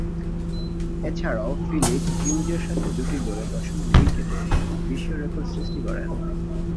এছাড়াও, ফিলিপ হিউজের সাথে জুটি গড়ে দশম উইকেটে বিশ্বরেকর্ড সৃষ্টি করেন।